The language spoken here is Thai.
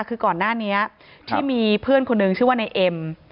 คือก่อนหน้านี้ที่มีเพื่อนคนหนึ่งชื่อว่าในเอ็ม